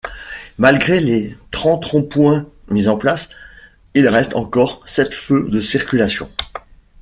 Malgré les trente ronds-points mis en place, il reste encore sept feux de circulation.